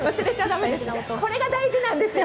これが大事なんですよ。